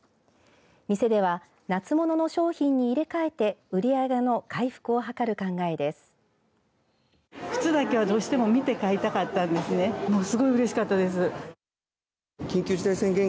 店では夏物の商品に入れ替えて売り上げの回復をはかる考えです。